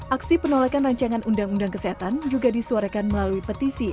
aksi penolakan rancangan undang undang kesehatan juga disuarakan melalui petisi